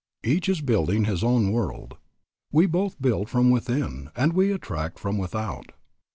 Each is building his own world. We both build from within and we attract from without.